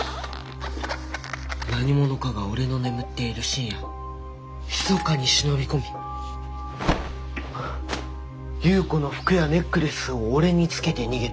何者かがおれの眠っている深夜ひそかに忍び込み夕子の服やネックレスをおれにつけて逃げた。